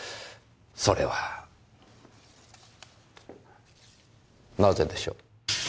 それはなぜでしょう。